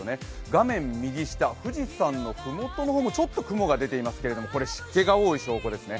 画面右下、富士山のふもとの方もちょっと雲が出ていますけれどもこれ湿気が多い証拠ですね。